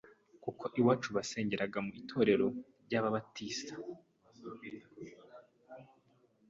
kuko iwacu basengeraga mu itorero ry’Ababatisita